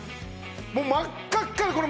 もう真っ赤っかでこれ。